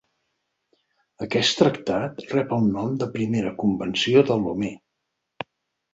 Aquest tractat rep el nom de primera Convenció de Lomé.